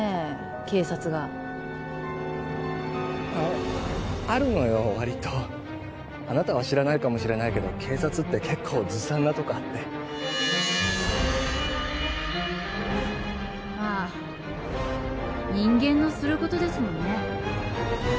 警察がああるのよ割とあなたは知らないかもしれないけど警察って結構ずさんなとこあってまあ人間のすることですもんね